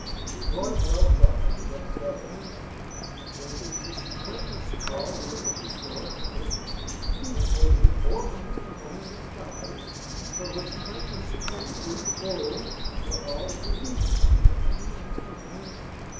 Before twelve o'clock on the next day, however, Jenkins's clerk called in at the store of Gooding, and paid him four hundred and twenty six dollars, for which he took his receipt in full for all demands to date.